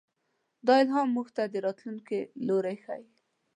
دا الهام موږ ته د راتلونکي لوری ښيي.